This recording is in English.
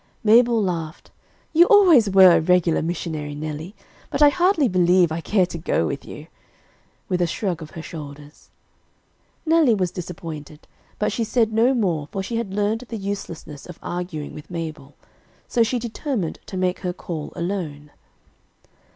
Mabel laughed. "You always were a regular missionary, Nellie; but I hardly believe I care to go with you," with a shrug of her shoulders. Nellie was disappointed, but she said no more for she had learned the uselessness of arguing with Mabel, so she determined to make her call alone.